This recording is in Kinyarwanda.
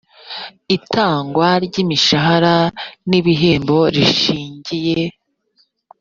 itangwa ry imishahara n ibihembo rishingiye